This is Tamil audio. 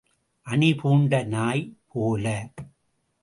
அணி பூண்ட நாய் போல.